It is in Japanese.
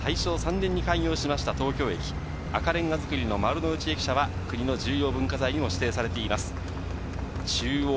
選手の左手には大正３年に開業しました東京駅、赤れんが造りの丸の内駅舎は国の重要文化財にも指定されています。